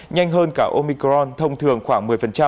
nhanh hơn cả omicron thông thường khoảng một mươi